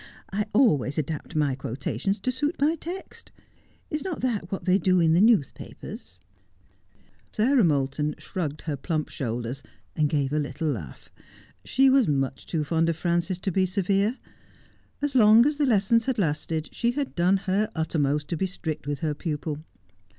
I always adapt my quotations to suit my text. Is not that what they do in the newspapers ?' Sarah Moulton shrugged her plump shoulders, and gave a little laugh. She was much too fond of Frances to be severe. As long as the lessons had lasted she had done her uttermost to be strict with her pupil.